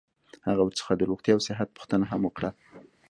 هغه ورڅخه د روغتیا او صحت پوښتنه هم وکړه.